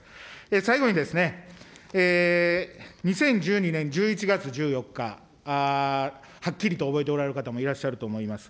最後にですね、２０１２年１１月１４日、はっきりと覚えておられる方もいらっしゃると思います。